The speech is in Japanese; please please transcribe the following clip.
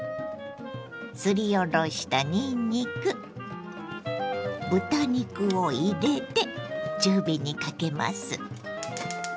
すりおろしたにんにく豚肉を入れて中火にかけます。